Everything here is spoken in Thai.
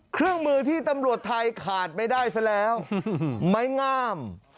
เครื่องมือที่ตำรวจไทยขาดไม่ได้ซะแล้วไม้งาม